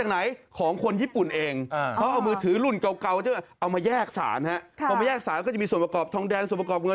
เป็นขยะอิเล็กทรอนิกส์ใช้ไหมครับ